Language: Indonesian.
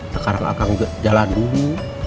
sekarang akang jalan dulu